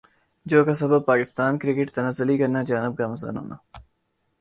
جو کا سبب پاکستان کرکٹ تنزلی کرنا جانب گامزن ہونا